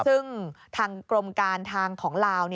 ซึ่งทางกรมการทางของลาว